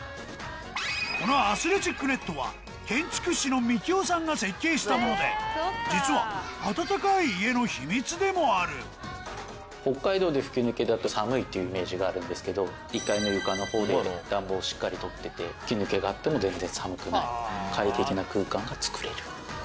このアスレチックネットは実は暖かい家の秘密でもある北海道で吹き抜けだと寒いっていうイメージがあるんですけど１階の床の方で暖房をしっかりとってて吹き抜けがあっても全然寒くない快適な空間が作れる。